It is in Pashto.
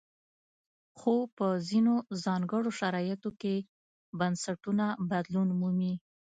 خو په ځینو ځانګړو شرایطو کې بنسټونه بدلون مومي.